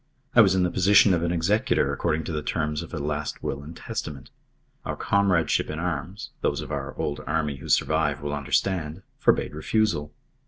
I was in the position of an executor according to the terms of a last will and testament. Our comradeship in arms those of our old Army who survive will understand forbade refusal.